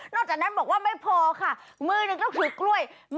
จากนั้นบอกว่าไม่พอค่ะมือหนึ่งก็คือกล้วย